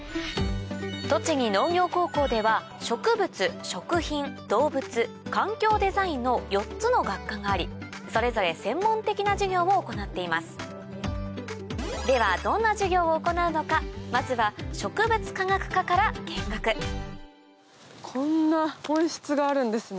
栃木農業高校ではの４つの学科がありそれぞれ専門的な授業を行っていますではどんな授業を行うのかまずはこんな温室があるんですね